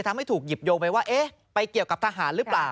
ทำให้ถูกหยิบโยงไปว่าเอ๊ะไปเกี่ยวกับทหารหรือเปล่า